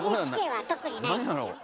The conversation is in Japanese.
ＮＨＫは特にないですよ。